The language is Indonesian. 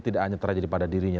tidak hanya terjadi pada dirinya